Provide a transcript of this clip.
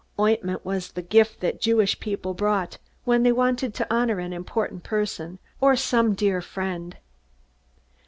Ointment was the gift that Jewish people brought, when they wanted to honor an important person or some dear friend.